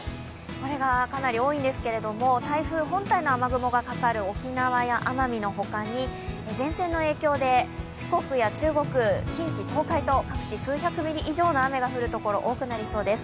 これがかなり多いんですが台風本体の雨雲がかかる沖縄や奄美の他に前線の影響で四国や中国、近畿、東海と各地数百ミリ以上の降るところが多くなりそうです。